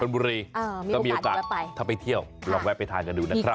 บุรีก็มีโอกาสถ้าไปเที่ยวลองแวะไปทานกันดูนะครับ